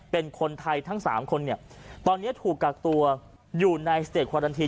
เป็นคนไทยทั้งสามคนเนี่ยตอนนี้ถูกกักตัวอยู่ในสเตจควาดันที